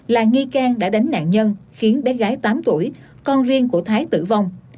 là nghi can đã đánh nạn nhân khiến bé gái tám tuổi con riêng của thái tử vong